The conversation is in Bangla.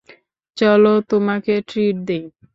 চলো তোমাকে ট্রিট দেই।